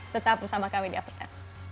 tetap bersama kami di after sepuluh